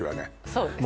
そうですね